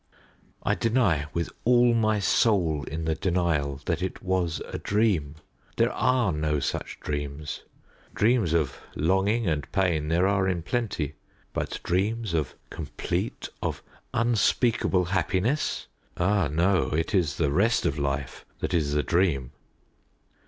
I deny, with all my soul in the denial, that it was a dream. There are no such dreams. Dreams of longing and pain there are in plenty, but dreams of complete, of unspeakable happiness ah, no it is the rest of life that is the dream.